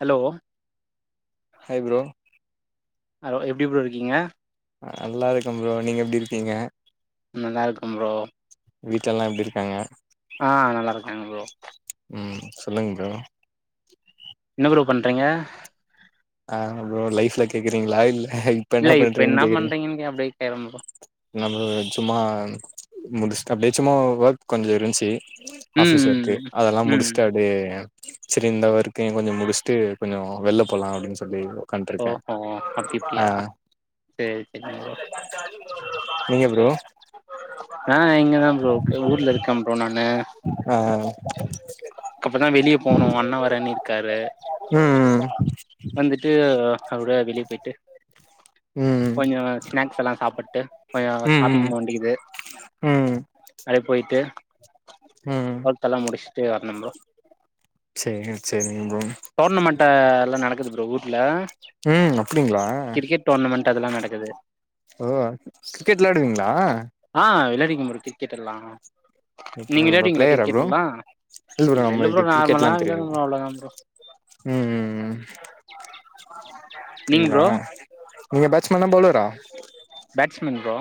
Hello ஆபோ hello எப்படி bro இருக்கீங்க நல்லா இருக்க ப்ரோ நீங்க எப்படி இருக்கீங்க நல்லாயிருக்கெ ப்ரோ வீட்டுஎல்லாம் எப்படி இருக்காங்க ஆ நல்லா இருக்காங்க புரோ ம் சொல்லுங்க்கா என்ன புரோ பண்றீங்க ஆ அப்புர லைப்ல கேக்குறீங்களா இல்ல இப்ப என்ன இல்ல பண்றீங்கன்னு என்ன கேக்குறீங்க பண்றீங்கன்னு கே அப்டியே கேக்குறே ப்ரோ நம்ம சும்மா முடிச்சிட்டு அப்படியேசும்மா ஒர்க் கொஞ்சம இருந்துச்சு ம் ஆஃபிஸ் ஒர்க்கு ம் அதெல்லாம் ம் ம். முடிச்சுட்டு அப்படியே சரி இந்த வரைக்கும் கொஞ்சம் முடிச்சுட்டு கொஞ்சம் வெளில போலாம் அப்படின்னு சொல்லி உ்காட்டு இருக்கேன் ஓஹோ அப்டி இப்டியா ஆஹ் சேரி சேரிங்க ப்ரோ நீங்க பரோ ஆ இங்கதா புரோக் ஊர்ல இருக்கே புரோ நானு ஆ [unintelligible] அக்கப்புற தான் வெளியே போகனும் அண்ணா வரன்னி இருக்காரு [inaudible] வந்து ட்டு அவட வெளியே போயிட்டு ம் ம் கொஞ்ச ஸ்நாக்ஸ் எல்லா சாப்பிட்டு கொஞ்ச ம் ம் ஷாப்பிங் ம் போவேன்டியிருக்கு போயிட்டு ம் ல்லாம் முடிச்சுட்டு வரந்தம் பரோ சேரி சேரிங்க ப்ரோ டோர்னமெண்ட எல்லாம் நடக்குது ப்ரோ வீட்ல ம் அப்டிங்களா கிரிக்கெட் டோர்னமெண்ட் [inaudible] ஓ கிரிக்கெட் விளையாடுவீங்களா உஹ [inaudible] விளையாடிக்கும் மு கிரிக்கெட் எல்லாம் இப்ப பிளேயரா ப்ரோ இல் இல்ல இல்ல ப்ரோ நம்மளுக்கு நார்மலா கிரிக்கெட்டெல்லா விளையாடுவே தெரியாது ப்ரோ அவ்ளோதா ப்ரோ ம்ம்ம் நீங்க அப்படிங்களா ப்ரோ நீங்க பேட்ச்ஸ்மேன போலரா பேட்ஸ்மேன் ப்ரோ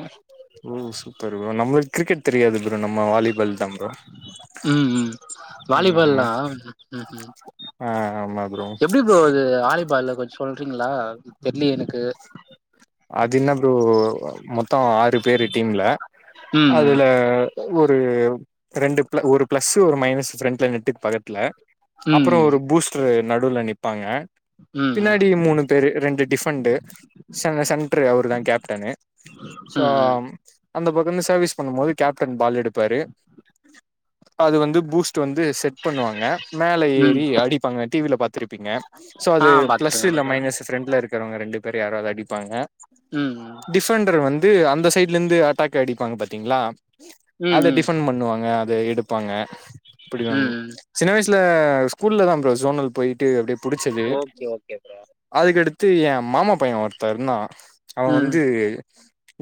ஓ சூப்பர் நம்மளுக்கு கிரிக்கெட் தெரியாது புரே நம்ம வாலிபல் உம் உம் ம் ஆமா வாலிபால்ல்லாம் உம் உம் ஆ ஆமா ப்ரோ எப்படி போரோ வாலிபால் கொஞ்சம் சொல்றீங்களா வெள்ளி எனக்கு அது இன்னது மொத்தம் பேரு டீம்ல ம் அதுல ஒரு ரெண்டு ப ஒரு ப்ளஸ்ு ஒரு மைனஸ் ஃப்ரண்ட்லைன் நெட்டுக்கு பக்கட்டல அப்புறம் ம் ஒரு பூஸ்டர் ந எதுல நிப்பாங்க ம் பின்னாடி மூணு பேரு ரெண்டு டிஃபண்டு செட்று அவரு தா கேப்டனு சோ ம் அந்த பக்கம் சர்வீஸ் பண்ணும் போது கேப்டன் பால் எடுப்பாரு அது வந்து பூஸ் வந்து செட் பண்ணுவாங்க மேல ம் ஏறி அடிப்பாங்க டிவில பா்த்திருப்பீங்க ஆ அது பிளஸ் பாத்துருக்கே ப்ரோ மைனஸ் பிரண்ட்ல இருக்குற ரெண்டுப் யாராவதுடி இருப்பாங்க ம் டிஃபண்டர் வந்து அந்த சைட்ல இருந்து அட்டாக் ஆடிப்பாங்க பாத்தீங்களா ம் அத ம் டிஃபன் பண்ணுவாங்க இத எடுப்பாங்க ம் பிடிக்கும் ம் சின்ன வயசு ல ஸ்கூல்லல தான் போரோ சோனல் போயிட்டு அப்டியே புடிச்சது ஓகே ஓகே ப்ரோ அதுக்கடுத்து தத்து ஏன் மாமா பையன் ஒரு தருணா அவ ம் வந்து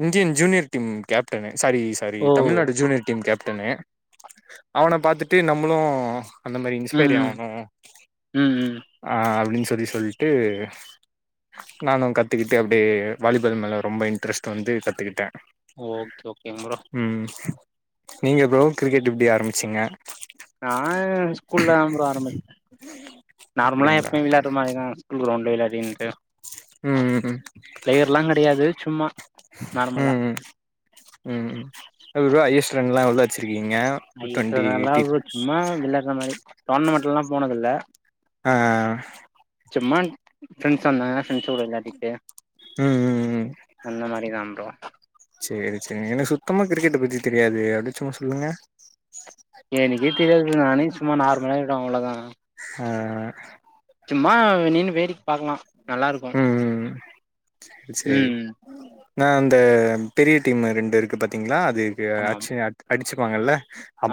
இஜ்ஜின் ஜூனியர் டீம் கேப்டனே சாரி சாரி ஓ தமிழ்நாடு ஜூனியர் டீம் கேப்டனு அவன பாத்திட்டு நம்முளு அந்த மாரி ம் இன்ஸ்பைரி ம் ஆகுணு ம் ம் ஆ அப்டின் சொ செரி சொல்ட்டு நானு கட் கத்துக்கிட்டு அப்டியே வாலிபெல் மேல ரொம்ப இன்ட்ரெஸ்ட் வந்து கத்துக்கிட்டே ஓகே ஓகேங் புரோ ம் நீங்க புரோ கிரிக்கெட் எப்டி ஆரம்பிச்சீங்க நா என் ஸ்கூல்ல தா புரோ ஆரம்பிச் நார்முலா அப்டிங்களா எப்பயு விளையாடுற மாரிதா ஸ்கூல் கிரௌண்ட்ல விளையாடி அப்டின்டு ம் ம் ப்லேயர்லா கிடையாது சும்மா நார்முலா ம் ல்லா உள்ளாச்சு [unintelligible] சும்மா விளகா மாரி டோர்னமெண்ட் எல்லா போனது இல்ல ஆ சும்மான் ப்ரெண்ட்ஸ் வந்தாங்க ப்ரெண்ட்ஸ்சோட விளையாடிட்டு ம் ம் ம் அந்த மாரி தா புரோ சேரி சேரிங் எனக்கு சுத்தமா கிரிக்கெட்ட பத்தி தெரியாது அப்டியே சும்மா சொல்லுங்க எனிக்கே தெரியாதுங்க நானே சும்மா நார்முலா இத அவ்ளோதா ஆ சும்மா நின்னு வேடிக் பாக்குலா நல்லா இருக்கும் ம் ம் சேரி நா இந்த பெரிய டீம் ரெண்டு இருக்கு பாத்தீங்களா அதுக்கு ஆமாம் அச்ச அத் அடிச்சு வாங்கல்ல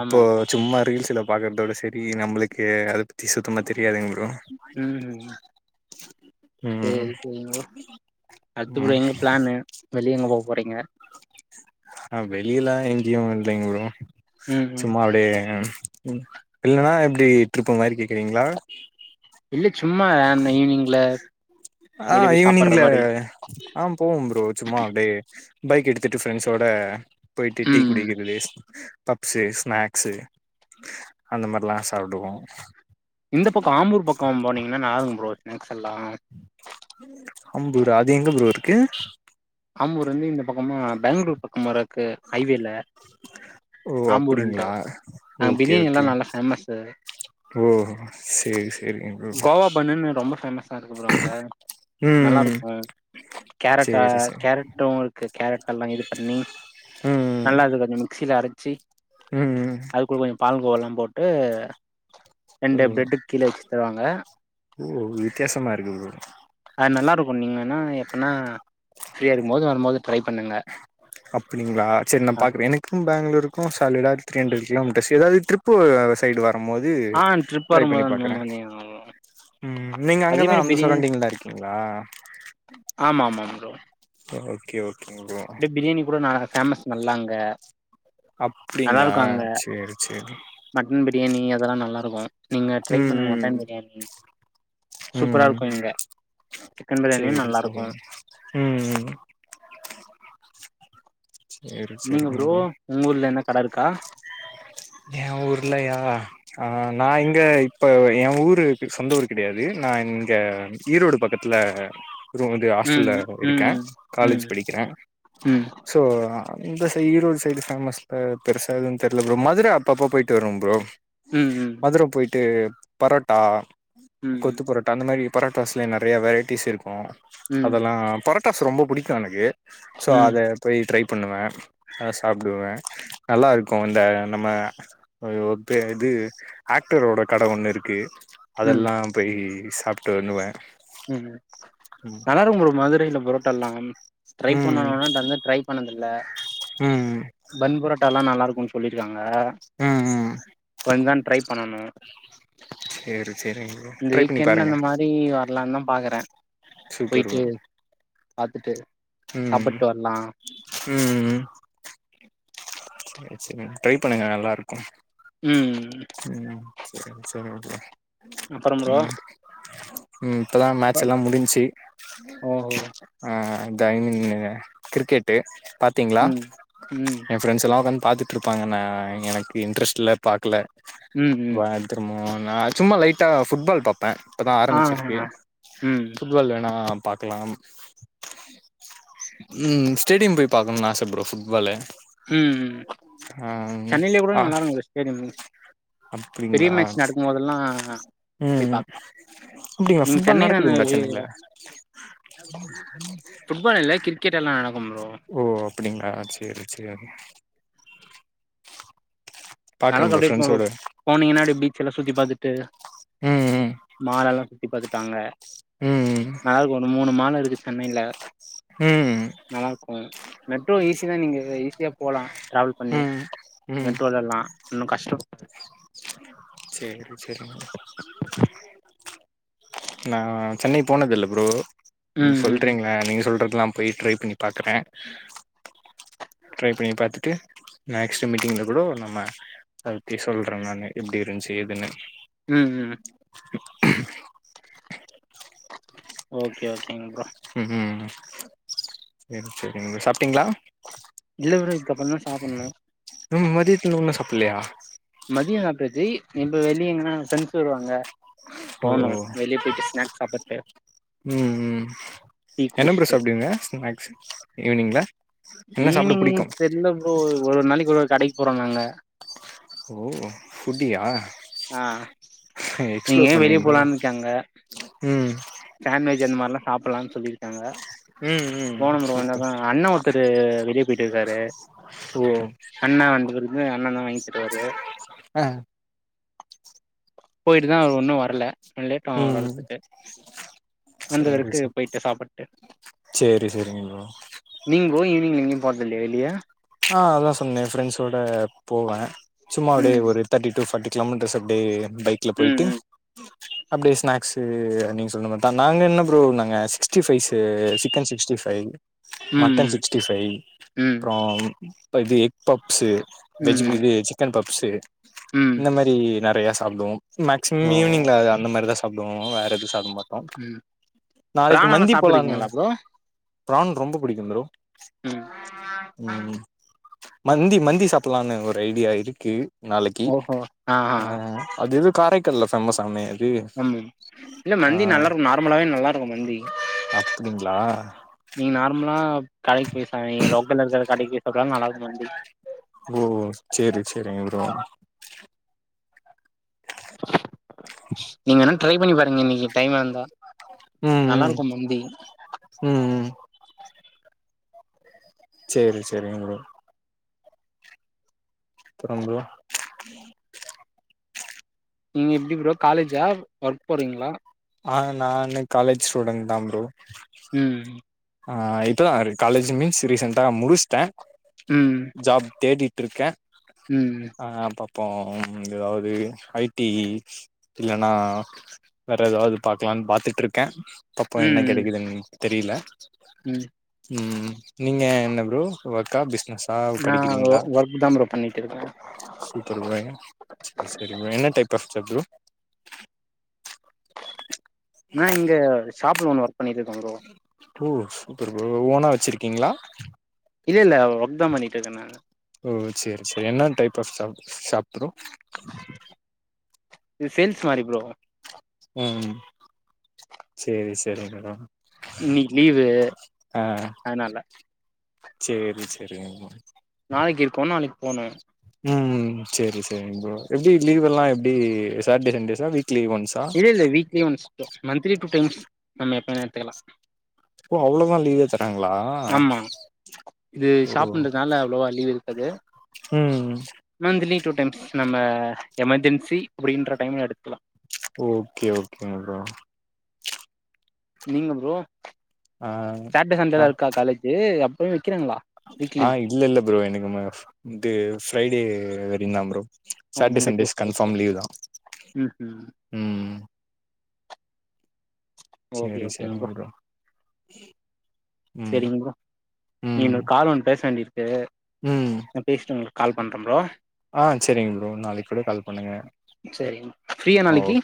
ஆமா ஆமா சும்மா ரீல்ஸ்ல பாக்றதோட சேரி நம்புளுக்கு அத பத்தி சுத்தமா தெரி தெரியாதுங் புரோ ம் சேரி சேரிங் புரோ அடுத்து புரோ ம் எங்க பிளான்னு வெளியே எங்க போக போறீங்க [unintelligible] ஆ வெளியலா எங்கியு இல்லைங் புரோ ம் ம் சும்மா அப்டியே எம் ம் இல்லன்னா எப்டி டிருப்பு மாரி கேக்குறீங்களா இல்ல சும்மா ஈவினிங்ல வெளிய ஆஹ போய் சாப்பட்ற ஈவ்னிங்ல மாரி ஆஹ போவோம் ப்ரோ சும்மா அப்டியே பைக் எடுத் திட்டு ஃப்ரெண்ட்ஸோட போயிட்டு ம் டிக்குடிக்குறது பப்ஸு ஸ்நாக்ஸு அந்த மாரிலாம் சாப்டுவோம் இந்த பக்கம் ஆம்பூர் பக்கம் போனீங்கன்னா நாருங்க புரோ எனக்குல்லாம் அம்பூர் அது எங்க ப்ரோ இருக்கு ஆமூர் வந்து இந்த பக்கமா பேங்ளூர் பக்கம் வரிது ஐவேல ஓ ஆம்பூர்ண்டு அப்டிங்களா அ ஓகே பிரியாணி ஓகே எல்லாம் நல்ல பேமஸ் ஓ சேரி சேரிங்க ப்ரோ கோவா பன்னு ரொம்ப பேமஸ் எடுக்கப்படுறாங்க நல்லா ம் இருக்கும் கேரட்டா சேரி சேரி ம் இருக்கு கேரட் எல்லாம் இது பண்ணி நல்லாது கொஞ்ச மிக்சில அரச்சி உஹம் உம் பால்கோவல்லாம் போட்டு ஓ ரெண்டு பிரெட்டு கீழ வச்சு தருவாங்க ஓ வித்தியாசமா இருக்கு ப்ரோ அது நல்லா இருக்கும் பன்னீங்கன்னா எப்பனா ப்ரீயா இருக்கும் போது வரும்போதுட்ரை பண்ண அப்டிங்களா சேரி நா பாக்குறேன் எனக்கும் பேங்களூருக்கும் சாலிடா த்ண்ட்ர கோமீட்டர்ஸ் ஏாவது திருூ சைடு போது ஆ ட்ரிப் ட்ரை பண்ணி வரும்போது அந்த பாக்குறேன் மாரி உம் நீங்க அதே அங்கதான் மாரி அந்த பிரியாணி சரௌண்டிங்ல இருக்கீங்களா ஓகே ஓக் அப்டி பிரியாணி கூட நா ஃபேமஸ் நல்லாங்க அப்டிங்களா சேரி சேரி இதெல்லாம் நல்லா இருக்கும் நீங்க ட்ரை ம் பண்ணுங்க மட்டன் ம் பிரியாணி சூப்பரா ம் இருக்கும் இங்க சிக்கன் பிரியாணியு சேரி சேரி நல்லாருக்கு உம் உம் நீங்க ப்ரோ உங்க ஊர்ல என்ன கடை இருக்கா என் ஊர்லயா அஹ நான் இங்க இப்ப ஏன் ஊரு சொந்த ஊரு கிடையாது நான் இங்க ஈரோடு பக்கத்துல அப்புறம் வந்து ம் ஹாஸ்டல்ல இருக்கேன் ம் காலேஜ் ம் படிக்கிறேன் ம் ஸோ அந்த த ஈரோடு சைடு ஃபேமஸ்ல பெருசா எதுவு‌ தெர்ல ப்ரோ ம துர அப்பப்ப போயிட்டு வரும் ப்ரோ ம் ம் ட்டு பரோட்டா ம் கொத்து பொரட்டா அந்த மாரி பரோட்டாஸ்லே நறைய வெரைட்டிஸ் இருக்கு ம் அதெல்லா பர ட்டாஸ் ரொம்ப புடிக்கு எனக்கு சோ ம் அத பொய் ட்ரை பண்ணுவே [unintelligible] சாப்டுவே நல்லாருக்கு இந்த நம்ம ஒ த இது ஆக்டரோட கட ஒன்னு இருக்கு ம் அதெல்லா பய் சாப்ட்டு வண்ணுவே ம் நல்லாருக்கும் ப்ரோ மதுரைல பரோ ட்டல்லா ட்ரை ம் பண்ணணுனா தந்து ட்ரை பண்ணதில்ல ம் பன் பரோட்டால்லா நல்லாருக் குன் சொல்லிருக்காங் க ம் இப்ப வந்தா ட்ரை பண்ணணு சேரி சேரிங்க ப்ரோ ட்ரை பண்ணி பாருங்க ல்லாந்தா பாக்குறே சூப்பர் போயிட்டு ப்ரோ பாத்துட்டு ம் சாப்புட்டு வரலா ம் ம் ம் சே சேரி ட்ரை பண்ணுங்க நல்லாருக்கு ம் ம் சேரி சேரிங்க ப்ரோ அப்பறம் ப்ரோ ம் ம் இப்பதா மேட்செல்லா முடுஞ்ச்சி அ டைமிங்கு கிரிக்கெட்டு் பாத்தீங்ளா ம் ம் எ ஃப்ரெண்ட்ஸ் எல்லா ஒக்காந் பார்த்துட்டு்ருப்பாங்க நான் எனக்கு இன்ட்ரெஸ்ட் இல்லை பார்க்கல ம் ம் [unintelligible] நா சும்மா லைட்டா ஃபுட்பால் பாப்பேன் இப்போ தான் ஆஹ ஆரம்பிச்சிருக்கு ம் ஃபுட்பால் வேணாம் பாக்கலாம் ம் ஸ்டேடியம் போய் பாக்கணும்னு ஆசை புரோ ஃபுட்பாலு உம் உம் ஆ சென்னையிலயே கூட ஆ நல்லா இருங்க ஸ்டேடியம் பெரிய அப்டிங்களா மேட்ச நடக்கும் போதல்லாம் போய் ம் பாக்கலாம் அப்டிங்களா நீங்க ஃபுட்பால் சென்னை தான நடக்குதுங்களா சென்னைல புட்பால் இல்ல கிரிக்கெட் எல்லாம் ஆ ஓ அப்டிங்களா சரி சரி அதனா ப்ரோ கப்ப ஃப்ரெண்ட்ஸோட போனீங்கன்னாடி பீச் எல்லா சுத்தி பாத்தட்டு ட்டு ம் மாலல்லாம் சுத்தி பாத்துட்டாங்க ம் நல்லா இருக்கு ஒரு மூணு மால் இருக்கு சென்னையில ம் ம் நல்லா இருக்கும் மெட்ரோ ஈஸிதான் நீங்க ஈஸியா போலாம் ட்ரவல் பண்ணி ம் ம் மெட்ரோல எல்லாம் ஒன்னும் கஷ்டம் சேரி சேரிங்க நா சென்னை போனது இல்ல புரோ ம் ம் சொல்றீங்களா நீங்க சொல்ற எல்லாம் போய் ட்ரை பண்ணி பாக்குறேன் ட்ரை பண்ணி பாத்துட்டு நெக்ஸ்ட் மீட்டிங்ல கூட நம்ம அத பத்தி சொல்றேம் நான் எப்படி இருந்துச்சு எதுன்னு உம் உம் [unintelligible] ஓகே ஓகேங்க உம் உம் சரி சரிங்க சாப்பிட்டீங்களா இல்ல புரோ அதுக்கப்புறதான் சாப்டணும் மதித் நூன சப்பல ஆா [unintelligible] மதியம் சப்புட்டாச்சி இப்ப வெள்ளிய எங்கன பிர வருவாங்க ஓ போனோம் வெளியே போயிட்டு ஸ்நாக் சாப்பிட்டு ம் ம் டீ என்ன ப்ரோ குடிச்சுட்டு சாப்டுவீங்க ஸ்நாக்ஸ் ஈவினிங்ல என்ன சாப்ட ஈவ்னிங் புடிக்கு தெரியல புரோ ஒரு நாளைக்கு ஒரு கடைக் போற நாங்க ஓ ஃட்டியா ஆ எக்ஸ்ப்ளோர் எங்கயோ வெளிய பண்ணுவீங்களோ உம் சண்ட்விச் அந்த மாரிலாம் சாப்புட ப்ளன்னு சொல்லியிருக்காங்க ம் ம் போன முறம் சூப்பர் வந்தாதான் அண்ணன் ஒருத்தர் வெளியே போயிட்டு இருக்காரு ஓ அண்ணா வந்தபிறகு அண்ணன் தான் வாங்கிதருவாரு ஆ போயிட்டுதா ஒன்னு வர்ல லேட்டாவு அவர் ம் வர்றத்துக்கு சேரி வந்தவருக்கு சேரி போயிட்டு சாப்பட்டு சேரி சேரிங்க ப்ரோ [unintelligible] போன்தலேலியா ஆ அதா சொன்னே ஃப்ரெண்ட்ஸோட போவே சும்மா அப்டியே ம் ஒரு தேர்ட்டி டு ஃபார்ட்டி கிலோமீட்டர்ஸ் அப்டே பைக்ல ம் போயிட்டு ம் அப்டியே ஸ்னாக்ஸு நீங்க சொன்ன மார்தா நாங்க என்ன ப்ரோ நாங்க sixty five chicken sixty five mutton ம் சிக்ஸ்டி ஃபை ம் அப்றோ பதி எக் பப் ஸு வெஜு ம் ம் பிது சிக்கன் பப் ஸு ம் இந்த மாரி ந றைய சாப்டுவோ மேக்சிமம் ஓ ஈவ்னிங்ல அது அந்த மாரி தா சாப் டுவோ வேற எது சாப்ட மாட் டோ ம் நாளைக்கு பிராணல்லா மந்தி போலாங்க சாப்ட்டுருக்கீங்களா ப்ரோ ப்ரான் ரொம்ப பிடிக்கும் ப்ரோ ம் ம் மந்தி மந்தி சாப்புல்லான்னு ஒரு ஐடியா இருக்கு நாளக்கி ஆ அதெதொ காரை கல்ல சம்ம [unintelligible] ம் இல்ல மந்தி நல்லாருக்கு நார்மலாவே நல்லாருக்கு மந்தி அப்டிங்களா நீங் நார்மலா கடைக் பொய் சா இங்க லோக்கல்லருக்குற கடைக்கி பொய் சாப்டாலு நல்லாருக்கு மந்தி ஓ சேரி சேரிங்க ப்ரோ நீங்கனா ட்ரை பண்ணி பாருங்க இன்னக்கி டைம் இருந்தா ம் ம் நல்லாருக்கு மந்தி ம் ம் சேரி சேரிங்க ப்ரோ அப்பறம் ப்ரோ நீங்க எப்டி ப்ரோ காலேஜா ஒர்க் போறீங்ளா? ஆ நானு காலேஜ் ஸ்டூடண்ட் தா ப்ரோ ம் ஆ இப்பதாரு காலேஜு மீன்ஸ் ரீசென்டா முடுச்டே ம் ஜாப் தேடி ட்ருக்கே ம் ஆ அப்ப இப்போ ம் ஏதாவது ஐ டி இல்லன்னா அ வேற ஏதாவது பாக்கலான்னு பாத்துட்டு இருக்கே பாப்போ என்ன ம் கெடைக்குதுன் தெரியல ம் ம் நீங்க என்ன ப்ரோ ஒர்க்கா பிஸ் னஸா நா படிக்கிறீங்களா ஒர்க் தா ப்ரோ பண்ணிட்டு இருக்கே சூப்பர் ப்ரோங்க சரி சரி ப்ரோ என்ன டைப் ஆஃப் ஷாப் ப்ரோ? நா இங்க ஷாப்பு ஓனர் பண்ணிட்ருக்கே ப்ரோ ப்ரோ சூப்பர் ப்ரோ ஓனா வச்சிருக்கீங்களா? இல்ல இல்ல ஒர்க்தா பண்ணிட்ருக்கே நானு ஓ சேரி சேரி என்ன டைப் ஆஃப் ஷா ஷாப் ப்ரோ இது சேல்ஸ் மாரி ப்ரோ ம் சேரி சேரி ப்ரோ இன்னக்கி லீவு அதனால சேரி சேரிங் ப்ரோ ஃபோனு ம் சேரி சேரி ப்ரோ எப்டி லீவ் எல்லா எப்டி சாட்டர்டே சண்டேஸா வீக் இல்ல இல்ல weekly once bro monthly two times நம்ம எப் ப வேண்ணா எடுத்துக்கலா. ஓ அவ்ளதா லீவே தர் ஆமா இது ஓ ஷாப்புன்றதுனால அவ்ளவா லீவு இருக்காது ம் மந்த்லி டூ டைம்ஸ் நம்ம எமர்ஜென்சி அப்படின்ற டைம்ல எடுக்கலா ஓகே ஓகேங் ப்ரோ. நீங்க ப்ரோ? ஆ சாட்டர்டே ஆ சண்டேலா இருக்கா காலேஜு அ பயு ஆ இல்ல இல்ல ப்ரோ எனக்கு ம ஃப் இது ஃப்ரைடே வரைக்குந்தா ப்ரோ ஓ Saturday Monday to Sundays Friday confirm லீவுதா ம் ம் ம் ஓகே சேரி ஓகேங் ப்ரோ சேரிங் ம் சேரிங்க ப்ரோ ம் இன்னொரு கால் ஒண்ணு பேச வேண்டி இருக் ம் பண்றே ப்ரோ ஆ செரிங்க ப்ரோ நாளைக்கு கூட கால் பண்ணுங்க சரிங்க ஃப்ரீயா ஓ நாளைக்கு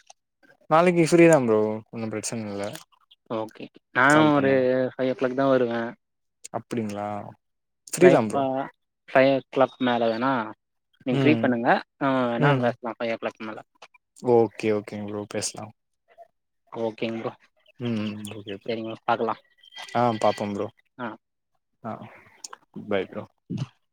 நாளைக்கி ஃப்ரீதா ப்ரோ ஒன்னும் பிரச்சன இல்ல ஓகே நானு கால் ஒரு பண்ணுங்க ஃபைவ் ஓ கிளாக்தா வருவே அப்டிங்களா? ஃப்ரீ தா லைக் ப்ரோ ஆ ஃபைவ் ஓ கிளாக் மேல வேண்ணா நீங்க ஃப்ரீ ம் பண்ணுங்க நாம வேண்ணா ம் பேசலா ஃபைவ் ஓ கிளாக் மேல ஓகே ஓகேங் ப்ரோ பேசலா ஓகேங் ப்ரோ. ம் ம் ஓகே ப்ரோ சரிங்க பாக்கலா ஆ பாப்போம் ப்ரோ ஆ ஆ பாய் ப்ரோ [inaudible]